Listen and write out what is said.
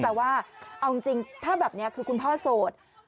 เอาจริงกับคุณพ่อโสด